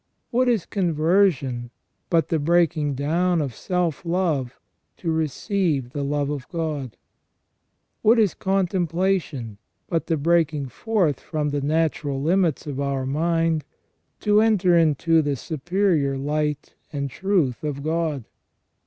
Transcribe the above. What is conversion but the breaking down of self love to receive the love of God ? What is con templation but the breaking forth from the natural limits of our mind to enter into the superior light and truth of God.